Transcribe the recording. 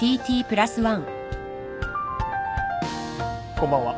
こんばんは。